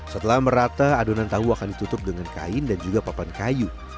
setelah merata adonan tahu akan ditutup dengan kain dan juga papan kayu